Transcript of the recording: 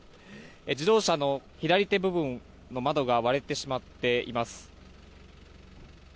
自動車の左手部分の窓が割れてしまっています。